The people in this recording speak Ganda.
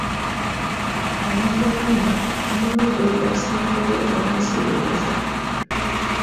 Yamugamba, omulundi ogwasembayo wansiriwaza!